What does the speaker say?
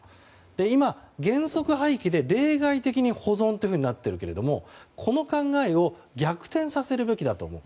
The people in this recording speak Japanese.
今、原則廃棄で例外的に保存というふうになっているけれどもこの考えを逆転させるべきだと思うと。